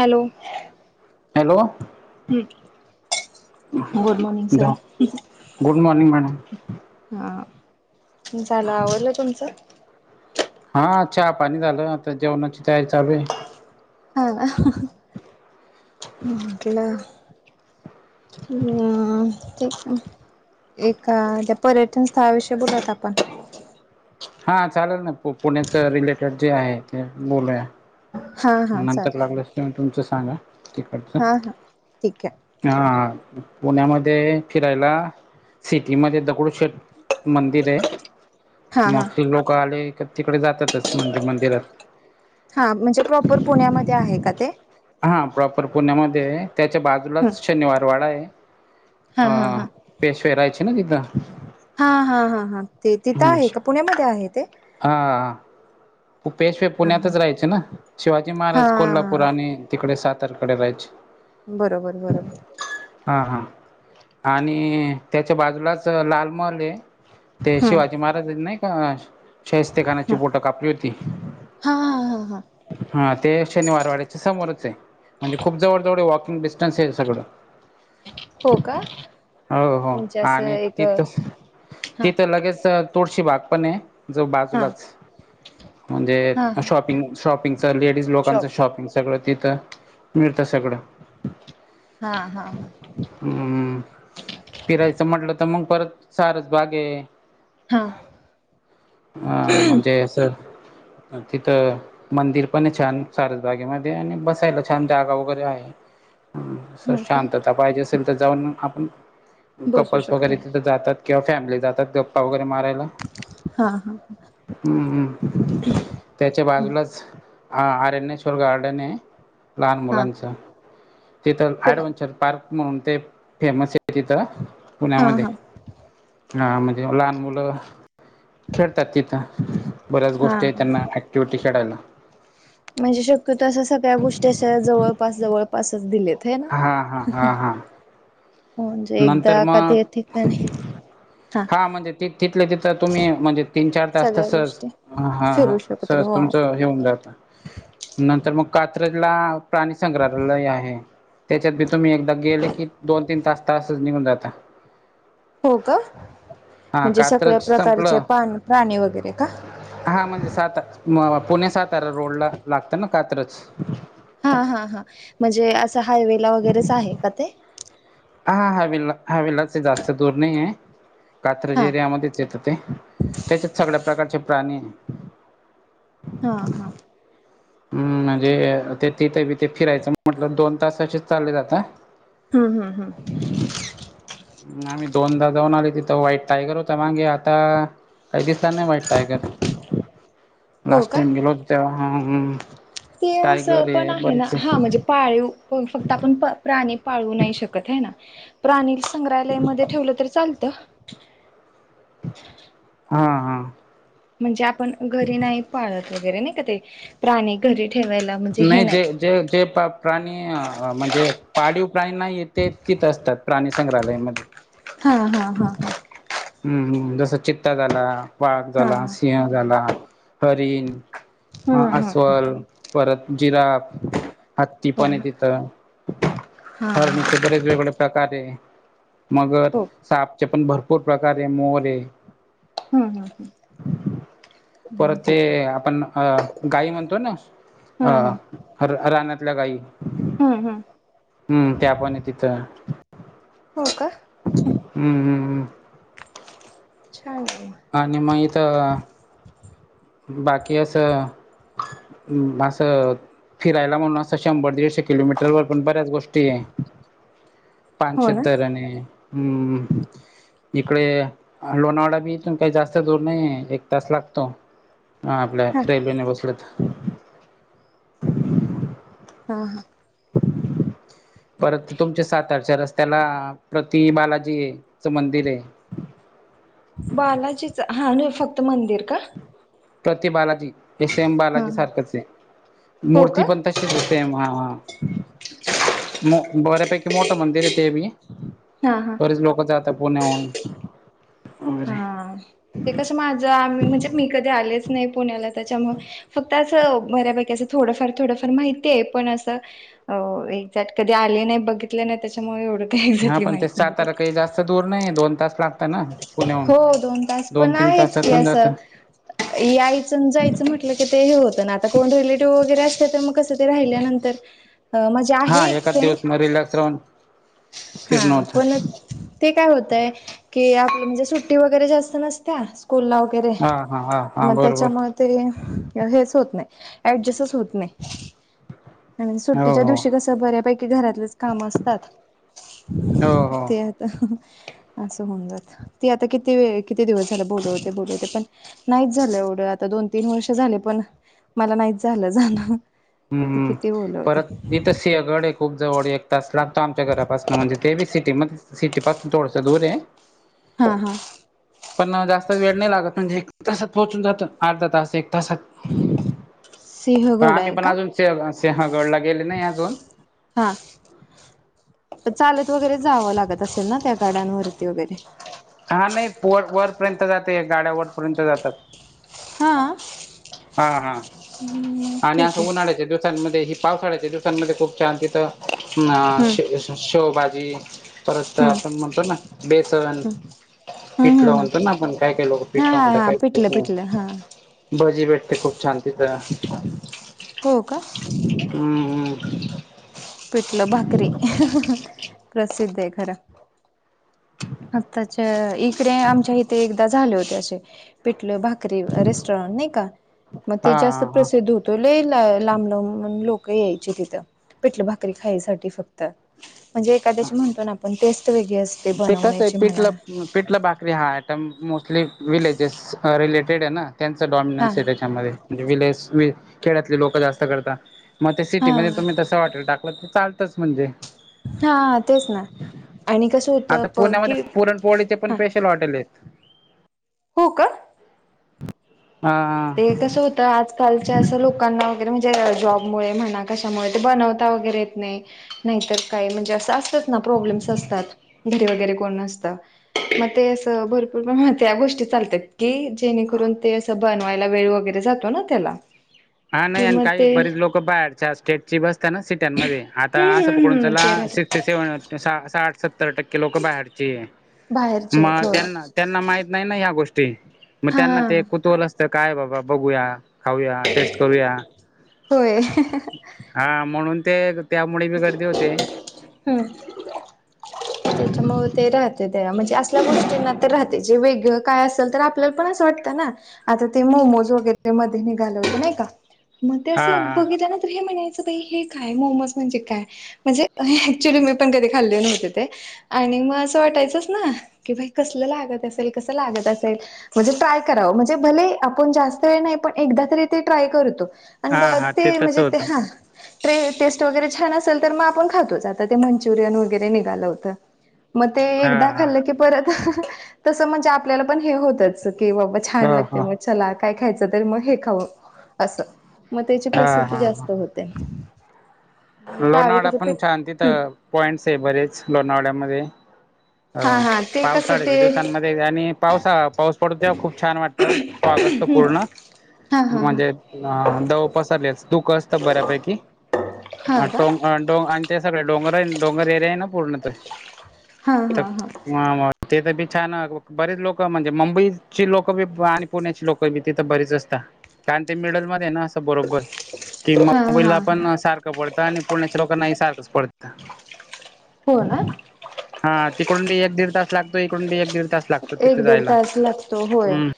Hello. Hello. Good morning sir जा good morning madam. हा झालं आवरलं तुमचं? हा चहा पाणी झालं आता जेवणाची तयारी चालू आहे. हा अ हं हं म म्हटलं. हा ठीक आहे. एका त्या पर्यटन स्थळाविषयी बोलूयात आपण. हा चालेल ना. पुण्याचं रिलेटेड जे आहे, ते बोलूया. हा हा नंतर चालेल लागलीच तुम्ही तुमचं सांगा, तिकडचं. हा हा ठीक आहे हा, पुण्यामध्ये फिरायला, सिटीमध्ये दगडू शेठ मंदिर आहे. हा हा मोस्टली लोकं आले की, तिकडे जातातच. मंदिर मंदिरात. हा, म्हणजे प्रॉपर पुण्यामध्ये आहे का ते? हा प्रॉपर पुण्यामध्ये आहे, त्याच्या हम्म बाजूलाच शनिवारवाडा आहे. हा पेशवे राहायचे ना तिथं हा हा हा हा ते तिथं आहे का पुण्यामध्ये आहे ते? हा हा हा वो पेशव हा हा पुण्यातच राहायचे ना शिवाजी महाराज कोल्हापूर हा आणि तिकडे सातारकडे रहायची. बरोबर बरोबर. हा हा आणि त्याच्या बाजूलाच लाल महल आहे. ते हम्म शिवाजी महाराजांनी नाही का, शाहिस्तेखानाची हम्म बोटं कापलीत. हा हा. हा हा हा ते शनिवारवाड्याच्या समोरच आहे. म्हणजे खूप जवळ जवळ वॉकिंग डिस् टन्स आहे सगळं. हो का हो हो म्हणजे असं आणि एक तिथच हा तिथं लगेच तुळशीबाग पण आहे, जो हा बाजूलाच म्हणजे हा हा शॉपिंग, शॉपिंगच लेडीज लोकांच शॉप शॉपिंगचं सगळं तिथं, मिळतं सगळं. हा हा हा. हम्म, फिरायचं म्हटलं तरं मग, परतं सारसबाग आहे. हो. हा, म्हणजे असं अं तिथं मंदिरपण आहे छान सारस बागेमध्ये आणि बसायला छान जागा वगैरे आहे. हं स हो का शांतता पाहिजे असेल, तर जाऊन आपण बसू कपल्स शकता वगैरे तिथं जातात किंवा फॅमिली जातात गप्पा वगैरे मारायला. हा हा हम्म. त्याच्या बाजूलाच आ अरणेश्वर गार्डन आहे. लहान हा मुलांच. तिथं हो का ऍडव्हेंचर पार्क म्हणून ते फेमस आहे तिथं हा पुण्यामध्ये. हा हा, म्हणजे लहान मुलं खेळतातं तिथं. बऱ्याच हा गोष्टी आहेत त्यांना ऍक्टिव्हिटी करायला. म्हणजे शक्यतो अशा सगळ्या गोष्टी अशा जवळपास जवळपासच दिलेत. हे ना हा हा, हा हा. हो, म्हणजे एकदा नंतर का मग ते ठिकाणी हा म्हणजे ति तिथलं तिथं तुम्ही, म्हणजे तीन चार तास सगळ्या तसंच गोष्टी हा. हा फिरू शकतो सहज व तुमचं हे होऊन जातं, नंतर मग कात्रजला प्राणीसंग्रहालय आहे. त्याच्यातबी तुम्ही एकदा गेले की, दोन तीन तास तासच निघून जाता. हो का, हा म्हणजे सगळ्या कात्रज प्रकारचे संपलं पानं प्राणी वगैरे का? हा, म्हणजे साता मग पुणे सातारा रोडला लागतं ना कात्रज. हा हा हा, म्हणजे असं हायवेला वगैरेच आहे का ते? हा हा हायवेला हायवेलाच, हाय जास्त दूर नाहीये. कात्रज हा एरियामध्येच येतं ते. त्याच्यात सगळ्या प्रकारचे प्राणी हाय. हा हा. अं म्हणजे ते तिथे फिरायचं म्हटलं, दोन तासाचे चालले जाता. हम्म हम्म हम्म. आम्ही दोनदा जाऊन आलोय तिथं, व्हाईट टायगर होता मागे आता काही दिसाय नाही व्हाईट टायगर. हो लास्ट टाइम गेलो होतो तेव्हा तो विषय पण आहे ना, हा म्हणजे पाळीव फक्त आपण प्राणी पाळू नाही शकत होय ना. प्राणी संग्रहालयमध्ये ठेवलं तरी चालतं. हा, हा. म्हणजे आपण घरी नाही पाळत वगैरे नाही का ते प्राणी घरी ठेवायला. म्हणजे हे नाही जे जे जे प्राणी अ म्हणजे पाळीव प्राणी नाहीयेत. ते तिथं असतात, प्राणी संग्रहालयमध्ये. हाव, हा हा हा. हम्म हम्म, जसं चित्ता झाला. वाघ हा झाला, सिंह झाला. हरीण, हा हा हं हा अस्वल परत जिराफ, हो हा हत्तीपण आहे तिथं, हा हा हरणी चे बरेच वेगळे प्रकार आहे. मगर, हो सापचे पण भरपूर प्रकार आहे, मोर आहे. हम्म, हम्म, हम्म. ह परत ते ठीक आहे आपण अ गाई म्हणतो ना हम्म हम्म अ रा रानातल्या गायी. हम्म, हम्म. हम्म. त्या पण तिथं हो का? हम्म, हम्म, हम्म. छान आहे. आणि मग इथं बाकी असं असं फिरायला म्हणून असं शंभर दीडशे किलोमीटर वर पण बऱ्याच गोष ती हो पानशेत ना धरण आहे हम्म. इकडे लोणावळाा बी इथून काही जास्त दूर नाही एक तास लागतो. हा आपल्या रेल्वेने बसले तर. हा, हा. परत तुमच्या साताारच्या रस्त्याला प्रति बालाजीच मंदिर आहे. बालाजीच हा नाही फक्त मंदिर का? प्रती बालाजी हे सेम हा बालाजी हा सारखच आहे. हो मूर्ती का पण तशीच आहे. ते हा, हा. मो बऱ्यापैकी मोठं मंदिर आहे ते बी. हा, हा. बरीेच लोक जाता पुण्याहून. वगैरे हा ते कसं माझं आम म्हणजे मी कधी आलेच नाही पुण्याला. त्याच्यामुळं फक्त असं बऱ्यापैकी असं थोडंफार थोडंफार माहिती आहे, पण असं अ एक्झॅक्ट कधी आले नाही, बघितले नाही त्याच्यामुळे एवढं काही एक्झॅक्टली माहित नाही. असं दूर नाही दोन तास लाग हो दोन तास, पण तीन आहेच की तासातून जात असं यायचं आणि जायचं म्हटलं की ते हे होतं ना, आता कोण रिलेटिव्ह वगैरे असते तर मग कसं राहिल्यानंतर अं माझी हा आहे एक एकाच फ्रेंड फिरनं हा होतं. पण ते काय होतय की आपलं म्हणजे सुट्टी वगैरे जास्त नसत्या. स्कूलला वगैरे हा हा हा हा मग बरोबर त्याच्यामुळं तरी हेच होत नाही ऍडजस्टच होत नाही. आणि हो सुट्टीच्या हो दिवशी कसं बऱ्यापैकी घरातलेच काम असतात. हो, हो. ते होतं. होऊन जात ती आता किती किती दिवस झालं बोलवते, बोलवते. पण नाहीच झालं एवढं आता दोन तीन वर्ष झाले, पण मला नाहीच झालं जाणं. हम्म, ती हम्म. किती बोलवते परत तिथं सिंहगड आहे खूप जवळ एक तास लागतो आमच्या घरापासनं म्हणजे ते बी सिटीमध्ये सिटीपासून थोडसं दूर आहे. हा, ‌हा. पण जास्त वेळ नाही लागत म्हणजे एक तासात पोहोचून जात. अर्धा तास, एक तासात. [inaudible] पण सिंहगड आम्ही आहे. पण का? अजून सिंह सिंहगडला गेले नाही अजून हा चालत वगैरे जावं लागत असेल ना त्या गाड्यांवरती वगैरे? हा नाही पोर वरपर्यंत जाते गाड्या वरपर्यंत जातात. हां? हा हा आणि असं उन्हाळ्याच्या दिवसांमध्ये हि पावसाळ्याच्या दिवसांमध्ये खूप छान तिथं ह हम्म शे शेवभजी परत हम्म आपण म्हणतो ना बेसन हम्म हम्म पिटलं हम्म म्हणतो ना आपण काय काय लोक हा पिटला हा म्हणता हा पिटलं काही पिटलं हा भजी भेट खूप छान तिथं हो का हम्म हम. पिटलं भाकरी हम्म हम्म हं प्रसिद्ध आहे खरं. आताच्या इकडे आमच्या इथे एकदा झाले होते असे पिटले भाक री रेस्टॉरंट नाही का मग हा ते जास्त हा प्रसिद्ध हो लई लांब लांबून लोक यायचे तिथं. पिठली भाकरी खायसाठी फक्त म्हणजे एखाद्याशी म्हणतो ना आपण टेस्ट वेगळी अस ते कसयं पिटलं अ पिटलं भाकरी हा आयटम मोस्टली विलेजेस रिलेटेड आहे ना. त्यांच हा डॉमिनन्स आहे हा त्याच्यामध्ये म्हणजे विलेज खेड़्यातली लोक जास्त करता. मग ते हा सिटीमध्ये तुम्ही तसं हॉटेल टाकलं तर चालंतच म्हणजे हा तेच ना आणि कस आता पुण्यामध्ये पुरणपोळीचे पण स्पेशल हॉटेल आहेत. हो का? हा. ते कसं होतं आजकालच्या असं लोकांना वगैरे म्हणजे जॉब मुळे म्हणा कशामुळे ते बनवता वगैरे येत नाही. नाहीतर काही म्हणजे असं असतात ना प्रॉब्लेम्स असतात घरी वगैरे कोण नसतं. मग ते असं भरपूर प्रमाणात त्या गोष्टी चालतात की जेणेकरून ते असं बन वेळ वगैरे जातो ना त्याला हा नाही कि आणि मग काही ते बरीच लोकं बाहेरच्या स्टेटची बसता ना सिट मध्ये आता हम्म अस हम्म पकडून हम्म चला ते राहतात सिकष्टी सेवन साठ सत्तर टक्के लोक बाहेरची बाहेरचे आहेत मग होय त्यांना त्यांना माहित नाही ना ह्या गोष्टी. मग त्यांना हा ते कुतुहल असतं काय बाबा बघूया खाऊ या. टेस्ट करूया होय हा म्हणून ते त्यामुळे बी गर्दी होते. हं. त्याच्यामुळे ते राहते त्या म्हणजे असल्या गोष्टींना तर राहते जे वेगळं काय असेल तर आप आपल्याला पण असं वाटतं ना आता ते मोमोज वगैरे मध्ये निघाल होत नाही का? मग ते हा असं बघितल्या नंतर तर हे म्हणायचं बाई हे काय मोमोज म्हणजे काय म्हणजे ऍक्च्युली मी पण कधी खाल्ले नव्हते ते आणि मग असं वाटायचंच ना की बाई कसलं लागत असेल कस लागत असेल? म्हणजे ट्राय करावं म्हणजे भले आपण जास्त वेळ नाही पण एकदा तरी ते ट्राय करतो. हा ब हा हा ते तसं म्हणजे ते होतं हा ते टेस्ट वगैरे छान असेल तर मग आपण खातोच आता ते मंचुरियन वगैरे निघालं होतं. मग ते हा एकदा हा खाल्लं की परत ह्ह ह्ह तस म्हणजे आपल्याला पण हे होतच की बाबा छान ह लागते हा मग चला काय खायचं तर मग हे खाऊ असं. मग त्याची हा प्रसिद्धी हा हा जास्त होते. आणि गावी लोणावळा कसं पण पीठ छान हम्म तिथं पॉइंट्स आहे बरेच लोणावळ्यामध्ये. हा हो हा ते कसं ते पावसाळ्याच्या दिवसांमध्ये आणि पावसाळा पाऊस पडून तेव्हा खूप छान वाट थप भाग असतो पूर्ण. हा हा हा म्हणजे आ दव पसरलेच धुक असतं बऱ्यापैकी अ हा का टो अ डोंग आणि ते सगळे डोंगर आहे ना डोंगर एरिया आहे ना पूर्ण तो हा तर हा हा म म तिथे बी छान बरेच लोकं म्हणजे मुंबईची लोकबी आणि पुण्याची लोकबी तिथं बरीच असता. कारण ते मिडल मध्ये ना असं बरोबर ते हा हा हा मुंबईलापण सारखं पडतं आणि पुण्याच्या लोकांनाही सारखंच पडतं. हो ना. हा तिकडून बी एक दीड तास लागतो इकडून बी एक दीड तास लागतो तिथे एक दीड जायला तास लागतो होय हम्म.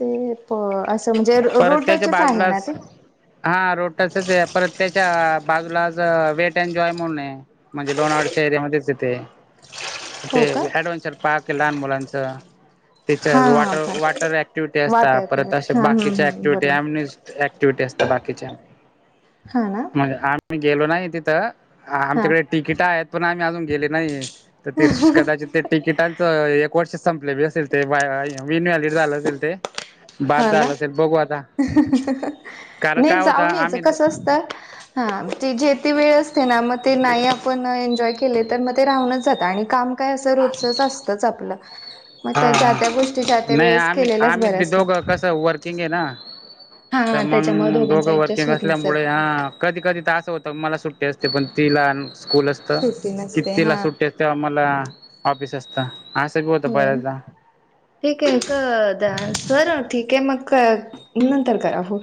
ते प असं म्हणजे परत रोड त्याच्या टचचं आहे ना बाजूलाच ते. हा रोट्याचंच यात्रेत त्याच्या बाजूलाच वेट ॲन्ड जॉय म्हणून हाय. म्हणजे लोणावळ्याच्या एरियामधेच येते. हो ते [unintelligible] का पार्क हाय लहान मुलांच. त्याच्या हा वॉटर हा वॉटर ऍक्टिव्हिटी वाट असतात, आहे परत असे हा बा हम्म किच्या हम्म ऍक्टिव्हिटी बरोबर [unintelligible] ऍक्टिव्हिटी असतात बाकीच्या. हा ना मग आ म्ही गेलो नाही तिथं हा आमच्याकडे तिकिट आहेत. पण आम्ही अजून गेले नाहीये. तर ते कदाचित ते तिकिटांच एक वर्ष संपले बी असेल. ते विन व्हॅलिड झालं असेल ते. बाद हा ना झालं असेल बघू आता कारण काय नाही होत जाऊन यायचं. आम्ही कसं असतं हा ते जे ती वेळ असते ना, मग ते नाही आपण एन्जॉय केले, तर मग ते राहूनच जातं आणि काम काय असं रोजचंच असतच आपलं. मग त्या ज्या हा. त्या गोष्टी ज्या त्या नाही वेळेस आम्ही केलेल्याच आम्ही बऱ्या बी असतात. दोघं कसं वर्किंग आहे ना, तर हा त्याच्यामुळे मग दोघांचा दोघं ऍडजस्ट वर्किंग होत नसेल असल्यामुळे हा कधी कधी त असं होतं, मला सुट्टी असते पण तिला स्कूल असतं. सुट्टी की नसते तिला हा सुट्टी अस तं मला ऑफिस असतं, असं बी होतं होय ना बऱ्याचदा. ठीक आहे, क द सर. ठीक आहे मग का नंतर करा हो.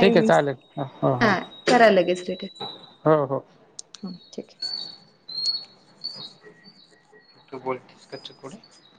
ठीक आहे चालेल हो हो. हा कराय लगेच रिटर्न. हो हो. हां, ठीक आहे. तू बोलतीस का [unintelligible]